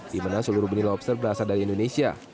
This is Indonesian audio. di mana seluruh benih lobster berasal dari indonesia